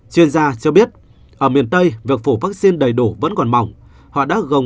chuyên gia cho biết ở miền tây việc phủ vaccine đầy đủ vẫn còn mỏng họ đã gồng